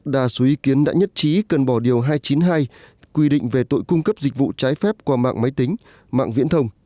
đa số ý kiến đã nhất trí cần bỏ điều hai trăm chín mươi hai quy định về tội cung cấp dịch vụ trái phép qua mạng máy tính mạng viễn thông